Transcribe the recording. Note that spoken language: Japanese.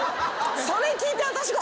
それ聞いて私が「あ！」